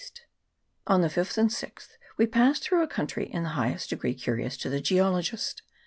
On the 5th and 6th we passed through a coun try in the highest degree curious to the geologist.